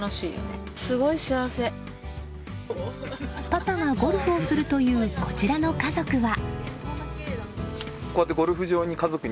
パパがゴルフをするというこちらの家族は。